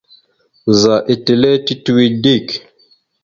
Ɓəzagaam etelle tituwe dik.